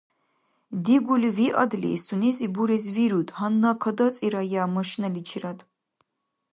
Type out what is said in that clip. Дигули виадли, сунези бурес вируд, гьанна кадацӀирая машиналичирад!